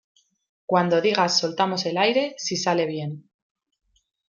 cuando digas, soltamos el aire. si sale bien